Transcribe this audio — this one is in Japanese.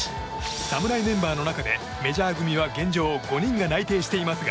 侍メンバーの中でメジャー組は現状５人が内定していますが。